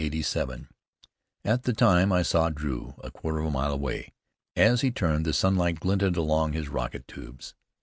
At the time I saw Drew, a quarter of a mile away. As he turned, the sunlight glinted along his rocket tubes.